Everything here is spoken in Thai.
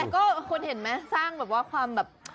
ก็คนเห็นไหมสร้างแบบว่าความแบบ